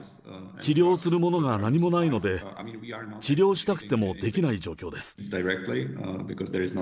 治療するものが何もないので、治療したくてもできない状況です。